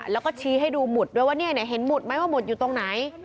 แล้วก็ชี้ให้ดูหมุดด้วยว่าเห็นหุดไหมว่าหมุดอยู่ตรงไหน